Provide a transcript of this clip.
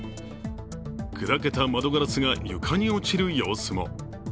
砕けた窓ガラスが床に落ちる様子も。